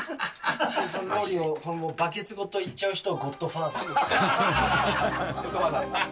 ロウリュウをバケツごといっちゃう人をゴッドファーザーって。